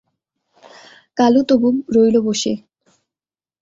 কালু তবু রইল বসে।